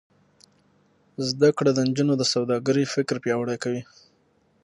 زده کړه د نجونو د سوداګرۍ فکر پیاوړی کوي.